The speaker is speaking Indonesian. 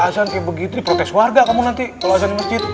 azan kayak begitu ya protes warga kamu nanti kalau azan di masjid